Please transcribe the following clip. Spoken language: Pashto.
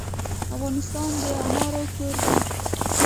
افغانستان د انارو کور دی.